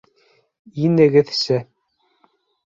Инегеҙсе